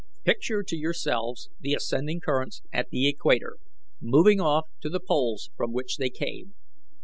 Picture to yourselves the ascending currents at the equator moving off to the poles from which they came.